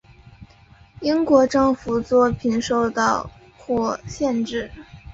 英国政府作品受到或限制。